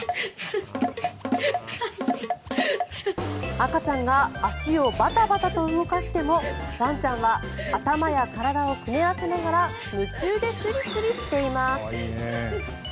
赤ちゃんが足をバタバタと動かしてもワンちゃんは頭や体をくねらせながら夢中でスリスリしています。